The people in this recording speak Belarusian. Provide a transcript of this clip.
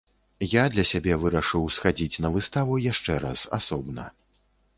Я для сябе вырашыў схадзіць на выставу яшчэ раз, асобна.